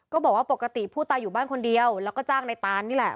บอกว่าปกติผู้ตายอยู่บ้านคนเดียวแล้วก็จ้างในตานนี่แหละ